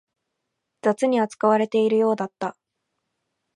雑に扱われているようだった